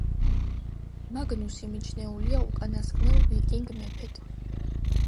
მაგნუსი მიჩნეულია უკანასკნელ ვიკინგ მეფედ.